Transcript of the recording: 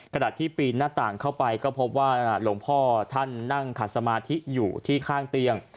ขณะที่ปีนหน้าต่างเข้าไปก็พบว่าหลวงพ่อท่านนั่งขัดสมาธิอยู่ที่ข้างเตียง